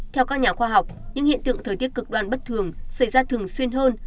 theo các nhà khoa học những hiện tượng thời tiết cực đoan bất thường xảy ra thường xuyên hơn